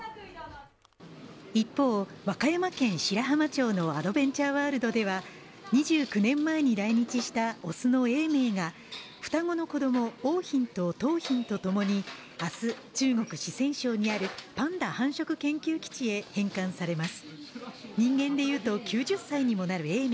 一方、和歌山県白浜町のアドベンチャーワールドでは、２９年前に来日したオスの永明が双子の子供桃浜と桃浜とともに明日中国四川省にあるパンダ繁殖研究基地へ返還されます。